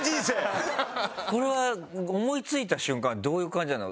これは思いついた瞬間はどういう感じなの？